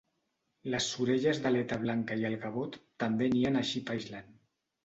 Les sorelles d'aleta blanca i el gavot també nien a Sheep Island.